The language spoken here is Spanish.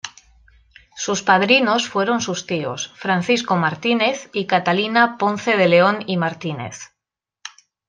Sus padrinos fueron sus tíos, Francisco Martínez y Catalina Ponce de León y Martínez.